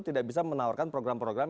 tidak bisa menawarkan program program